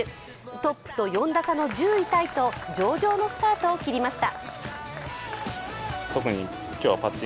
トップと４打差の１０位タイと上々のスタートを切りました。